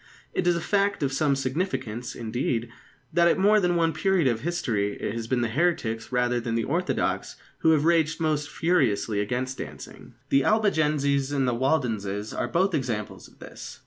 It is a fact of some significance, indeed, that at more than one period of history it has been the heretics rather than the orthodox who have raged most furiously against dancing. The Albigenses and the Waldenses are both examples of this.